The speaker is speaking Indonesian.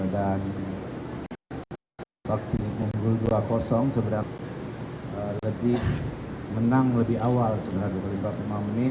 dan waktu minggu dua sebenarnya lebih menang lebih awal sebenarnya dua puluh lima dua puluh lima menit